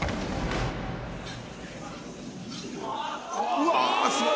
うわあすごい！